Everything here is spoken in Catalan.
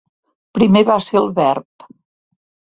"Primer va ser el verb"